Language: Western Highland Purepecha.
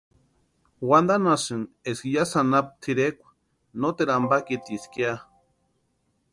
Wantanhasïn eska yásï anapu tʼirekwa noteru ampakitieska ya.